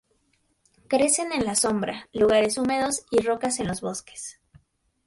Crecen en la sombra, lugares húmedos y rocas en los bosques.